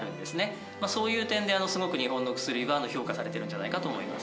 そういう点ですごく日本の薬は評価されてるんじゃないかと思います。